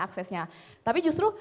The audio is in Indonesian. aksesnya tapi justru